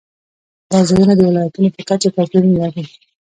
دا ځایونه د ولایاتو په کچه توپیرونه لري.